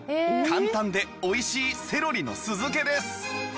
簡単でおいしいセロリの酢漬けです